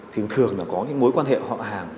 thường thường là có mối quan hệ họ hàng